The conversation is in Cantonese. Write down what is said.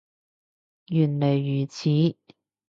原來如此